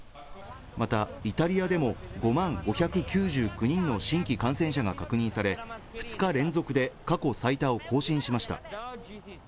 またイタリアでも５万５９９人の新規感染者が確認され２日連続で過去最多を更新しました